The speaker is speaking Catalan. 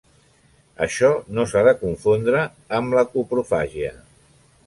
Això no s'ha de confondre amb la coprofàgia.